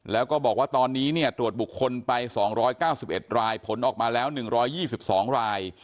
แล้วก็บอกว่าตอนนี้ตรวจบุคคลไป๒๙๑รายผลออกมาแล้ว๑๒๒ราย